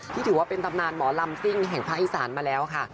ถือว่าเป็นตำนานหมอลำซิ่งแห่งภาคอีสานมาแล้วค่ะ